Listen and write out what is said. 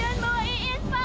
ian bawa iis pak